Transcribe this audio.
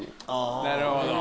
なるほど。